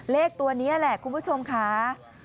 เลขตัวนี้คุณผู้ชมค่า